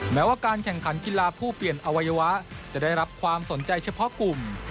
แม้ว่าการแข่งขันกีฬาผู้เปลี่ยนอวัยวะจะได้รับความสนใจเฉพาะกลุ่ม